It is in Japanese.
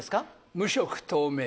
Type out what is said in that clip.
無色透明。